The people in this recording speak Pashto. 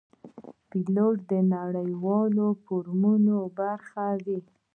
پیلوټ د نړیوالو فورمونو برخه وي.